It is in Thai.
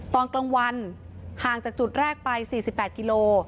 ตอนกลางวันห่างจากจุดแรกไป๔๘กิโล